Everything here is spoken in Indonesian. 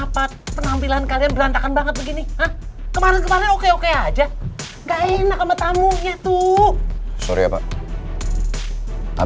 pak saya ke belakang sebentar ya